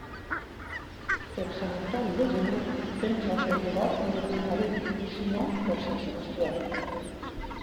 Per Sant Antoni de Gener, penja el perdigot on et vinga bé, i si no, per Sant Sebastià.